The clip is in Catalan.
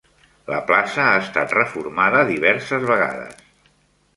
La plaça ha estat reformada diverses vegades.